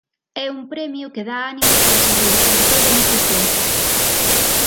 É un premio que dá ánimos para seguir, sobre todo nestes tempos.